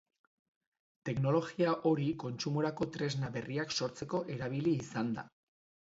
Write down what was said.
Teknologia hori kontsumorako tresna berriak sortzeko erabili izan da.